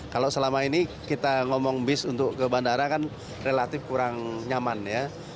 kalau selama ini kita ngomong bis untuk ke bandara kan relatif kurang nyaman ya